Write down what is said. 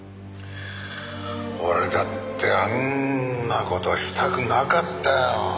俺だってあんな事したくなかったよ。